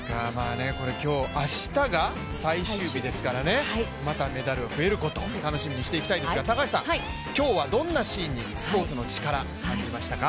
明日が最終日ですからね、またメダルが増えることを楽しみにしていきたいですが、今日はどんなシーンにスポーツのチカラ感じましたか？